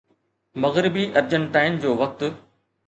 مغربي ارجنٽائن جو وقت